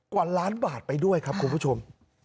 กว่าล้านบาทไปด้วยครับคุณผู้ชม